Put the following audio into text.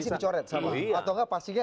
itu pasti dicoret sama atau gak pastinya